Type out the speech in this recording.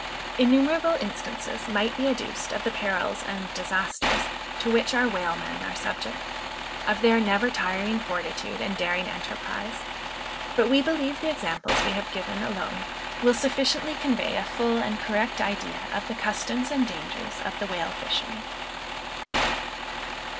Innumerable instances might be adduced of the perils and disasters to which our whalemen are subject; of their never tiring fortitude and daring enterprise; but we believe the examples we have given alone will sufficiently convey a full and correct idea of the customs and dangers of the whale fishery.